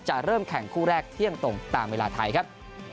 เริ่มแข่งคู่แรกเที่ยงตรงตามเวลาไทยครับ